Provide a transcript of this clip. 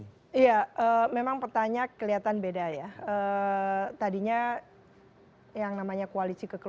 iya memang pertanyaan kelihatan beda ya